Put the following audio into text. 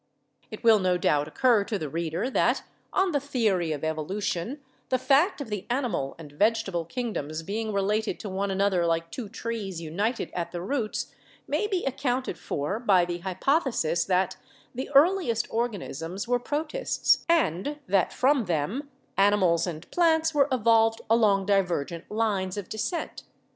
It will no doubt occur to the reader that, on the theory of evolution, the fact of the animal and vegetable kingdoms being related to one another like two trees united at the roots may be accounted for by the hypothesis that tR*e earliest organisms were protists and that from them ani mals and plants were evolved along divergent lines of de scent.